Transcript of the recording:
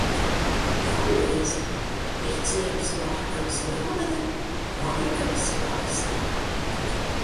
Jaunbērze ir ciems Vārkavas novada Vārkavas pagastā.